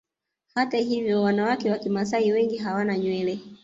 Hata hivyo wanawake wa Kimasai wengi hawana nywele